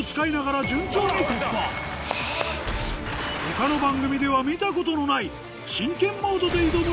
見事その後も他の番組では見たことのない真剣モードで挑む